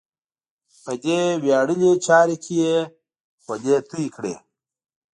په دې ویاړلې چارې کې یې خولې تویې کړې.